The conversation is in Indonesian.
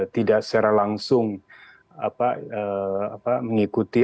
tidak secara langsung mengikuti